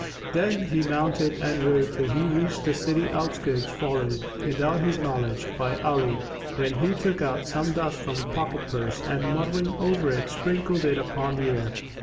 Then he mounted and rode till he reached the city outskirts followed, without his knowledge, by Ali, when he took out some dust from a pocket purse and, muttering over it, sprinkled it upon the air.